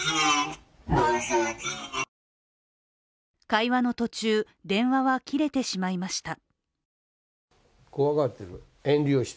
会話の途中、電話は切れてしまいました。